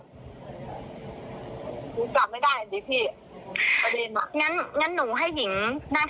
หนูกลับไม่ได้สิทธิ์ประเด็นงั้นหนูให้หญิงนั่งไป